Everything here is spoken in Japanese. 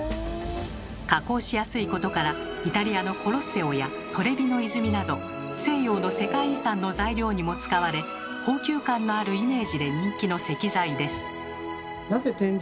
加工しやすいことからイタリアのコロッセオやトレビの泉など西洋の世界遺産の材料にも使われ高級感のあるイメージで人気の石材です。